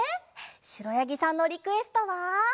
しろやぎさんのリクエストは。